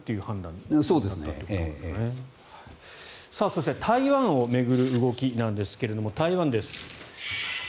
そして台湾を巡る動きなんですが台湾です。